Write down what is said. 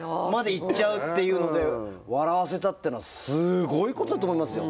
行っちゃうっていうので笑わせたっていうのはすごいことだと思いますよ。